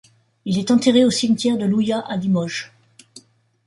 Il est enterré au cimetière de Louyat à Limoges.